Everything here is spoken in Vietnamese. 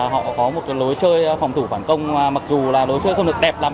họ có một cái lối chơi phòng thủ phản công mặc dù là lối chơi không được đẹp lắm